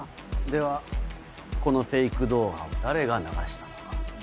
ではこのフェイク動画を誰が流したのか？